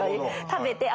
食べてあ